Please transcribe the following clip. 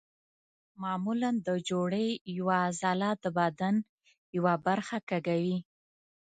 معمولا د جوړې یوه عضله د بدن یوه برخه کږوي.